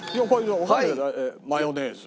マヨネーズ。